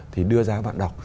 thì đưa ra các bạn đọc